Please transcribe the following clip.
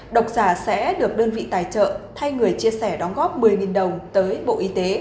độc giả sẽ được đơn vị tài trợ thay người chia sẻ đóng góp một mươi đồng tới bộ y tế